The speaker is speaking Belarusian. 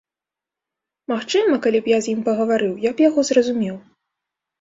Магчыма, калі б я з ім пагаварыў, я б яго зразумеў.